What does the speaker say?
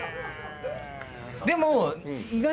でも。